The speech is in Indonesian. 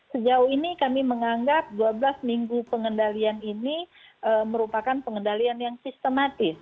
sejauh ini kami menganggap dua belas minggu pengendalian ini merupakan pengendalian yang sistematis